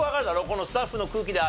このスタッフの空気で。